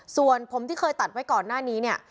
ส่วนผมที่เคยตัดไว้ก่อนหน้านี้เนี่ย